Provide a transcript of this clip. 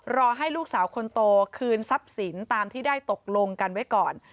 รอให้ลูกสาวคนโตคืนทรัพย์สินตามที่ได้ตกลงกันไว้ก่อน